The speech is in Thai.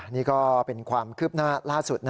นี่ก็เป็นความคืบหน้าล่าสุด